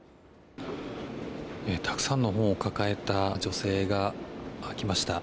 たくさんの本を抱えた女性が来ました。